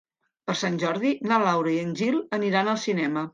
Per Sant Jordi na Laura i en Gil aniran al cinema.